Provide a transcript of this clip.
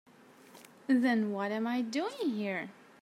Then what am I doing here?